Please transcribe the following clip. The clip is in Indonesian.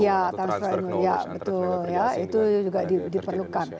iya transfer ilmu itu juga diperlukan